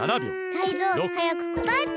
タイゾウはやくこたえて。